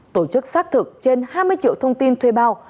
tổ chức xác thực trên hai mươi triệu thông tin thuê bao